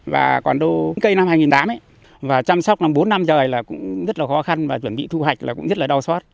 và còn cây năm hai nghìn tám và chăm sóc nằm bốn năm trời là cũng rất là khó khăn và chuẩn bị thu hoạch là cũng rất là đau xót